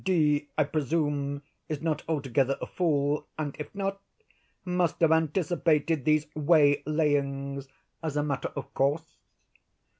"D——, I presume, is not altogether a fool, and, if not, must have anticipated these waylayings, as a matter of course."